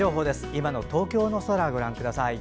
今の東京の空をご覧ください。